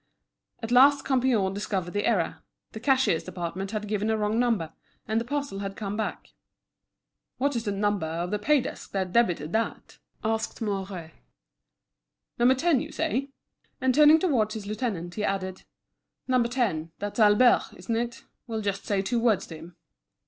At last Campion discovered the error; the cashier's department had given a wrong number, and the parcel had come back. "What is the number of the pay desk that debited that?" asked Mouret: "No. 10, you say?" And turning towards his lieutenant, he added: "No. 10; that's Albert, isn't it? We'll just say two words to him."